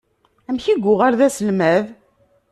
Amek i yuɣal d aselmad?